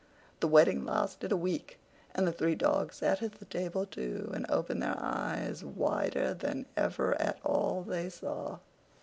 The wedding lasted a week, and the three dogs sat at the table too, and opened their eyes wider than ever at all they saw.